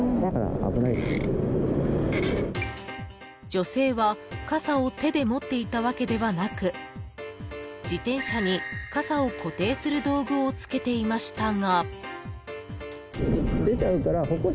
［女性は傘を手で持っていたわけではなく自転車に傘を固定する道具をつけていましたが］